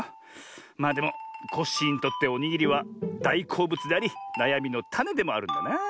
まあでもコッシーにとっておにぎりはだいこうぶつでありなやみのタネでもあるんだなあ。